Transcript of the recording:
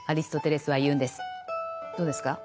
どうですか？